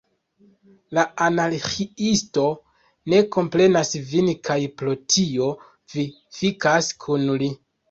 La Anarĥiisto ne komprenas vin, kaj pro tio vi fikas kun li?